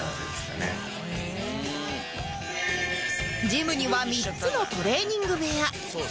ジムには３つのトレーニング部屋